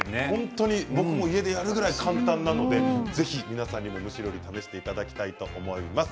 僕も家でやるくらい簡単だったのでぜひ皆さんにも蒸し料理試していただければと思います。